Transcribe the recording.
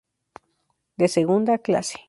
De Segunda clase.